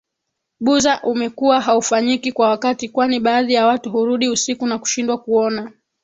Buza umekuwa haufanyiki kwa wakati kwani baadhi ya watu hurudi usiku na kushindwa kuona